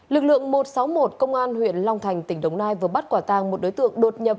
lực lượng một trăm sáu mươi một công an huyện long thành tỉnh đồng nai vừa bắt quả tàng một đối tượng đột nhập